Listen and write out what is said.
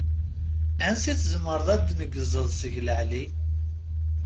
Ansi tzemreḍ ad d-tneggzeḍ seg leεli?